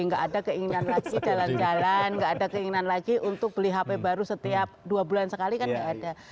nggak ada keinginan lagi jalan jalan nggak ada keinginan lagi untuk beli hp baru setiap dua bulan sekali kan nggak ada